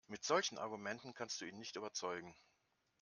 Mit solchen Argumenten kannst du ihn nicht überzeugen.